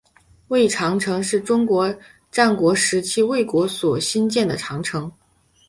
魏长城是中国战国时期魏国所兴建的长城。